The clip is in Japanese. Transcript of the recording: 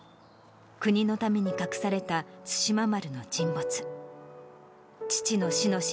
国のために隠された対馬丸の沈没。